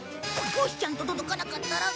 もしちゃんと届かなかったら。